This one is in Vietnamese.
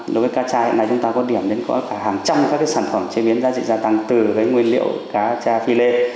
đối với cá tra hiện nay chúng ta có điểm đến có cả hàng trăm các sản phẩm chế biến giá trị gia tăng từ nguyên liệu cá cha phi lê